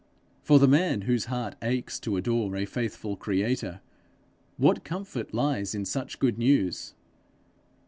For the man whose heart aches to adore a faithful creator, what comfort lies in such good news!